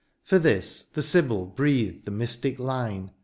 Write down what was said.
For this, the Sybil breathed the mystic line.